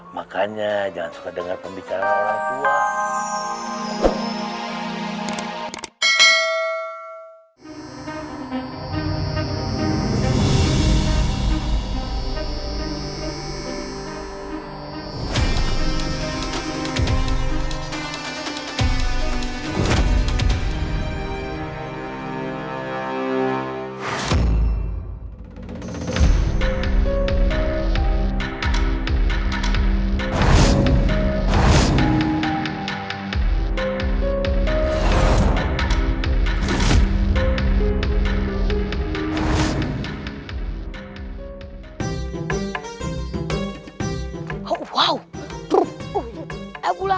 makanya jangan suka denger pembicaraan orang tua